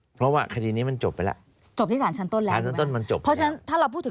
เพราะว่าคดีนี้มันจบไปล่ะ